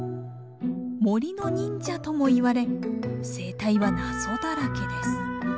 森の忍者ともいわれ生態は謎だらけです。